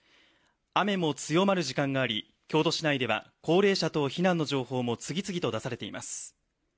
雨も強まる時間があり京都市内では高齢者等避難の情報も次々と出されています。